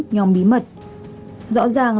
nhóm bí mật rõ ràng